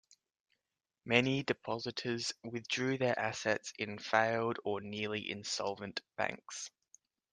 Many depositors withdrew their assets in failed or nearly-insolvent banks.